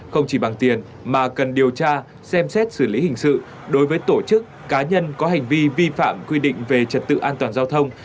không chỉ bằng tiền mà cần điều tra xem xét xử lý hình sự đối với tổ chức cá nhân có hành vi vi phạm quy định về trật tự an toàn giao thông